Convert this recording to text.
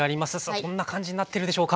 どんな感じになってるでしょうか？